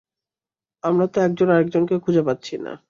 আমরা তো একজন আরেকজনকেই খুঁজে পাচ্ছি না।